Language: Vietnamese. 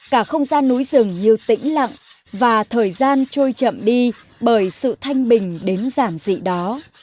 cả không gian núi rừng như tĩnh lặng và thời gian trôi chậm đi bởi sự thanh bình đến giản dị đó